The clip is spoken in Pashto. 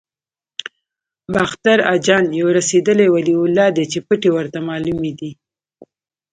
باختر اجان یو رسېدلی ولي الله دی چې پټې ورته معلومې دي.